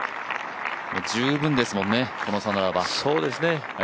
十分ですもんね、この差ならば。